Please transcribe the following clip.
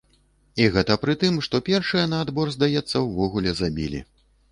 І гэта пры тым, што першыя на адбор, здаецца, увогуле забілі.